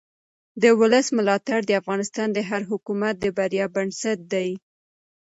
د ولس ملاتړ د افغانستان د هر حکومت د بریا بنسټ دی